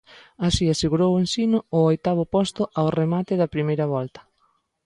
Así asegurou o Ensino o oitavo posto ao remate da primeira volta.